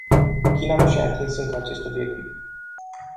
China nu și-a atins încă acest obiectiv.